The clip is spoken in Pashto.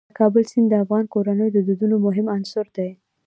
د کابل سیند د افغان کورنیو د دودونو مهم عنصر دی.